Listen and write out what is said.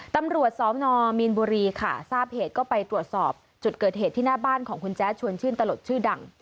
ตำรวจสนมีนบุรีค่ะทราบเหตุก็ไปตรวจสอบจุดเกิดเหตุที่หน้าบ้านของคุณแจ๊ดชวนชื่นตลกชื่อดัง